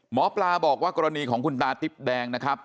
หมอปลาบอกว่ากรณีของคุณตาติ๊บแดงนะครับ